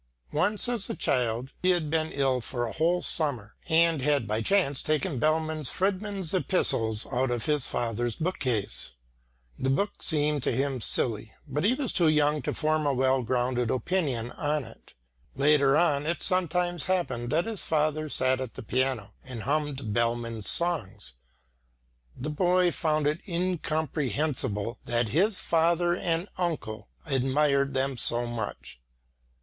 Once as a child, he had been ill for a whole summer, and had by chance taken Bellmann's Fredman's Epistles out of his father's book case. The book seemed to him silly, but he was too young to form a well grounded opinion on it. Later on, it sometimes happened that his father sat at the piano, and hummed Bellmann's songs. The boy found it incomprehensible that his father and uncle admired them so much.